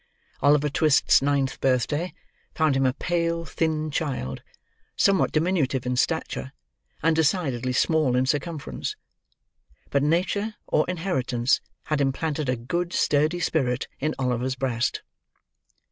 Oliver Twist's ninth birthday found him a pale thin child, somewhat diminutive in stature, and decidedly small in circumference. But nature or inheritance had implanted a good sturdy spirit in Oliver's breast.